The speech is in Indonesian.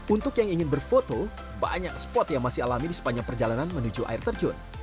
untuk yang ingin berfoto banyak spot yang masih alami di sepanjang perjalanan menuju air terjun